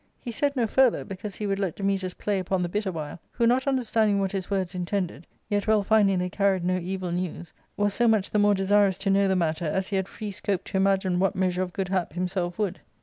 He said no further, because he would let Dametas play upon the bit a while, who not under standing what his words intended, yet well finding they car ried no evil news, was so much the more desirous to know the matter as he had free scope to imagine what measure of good hap himself would.